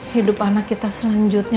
hidup anak kita selanjutnya